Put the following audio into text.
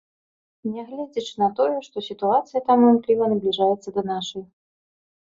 Нягледзячы на тое, што сітуацыя там імкліва набліжаецца да нашай.